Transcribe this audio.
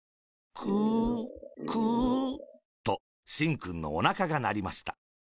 「クー、クー。」と、しんくんのおなかがなりました。